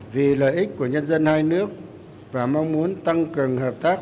vì lợi ích của nhân dân hai nước và mong muốn tăng cường hợp tác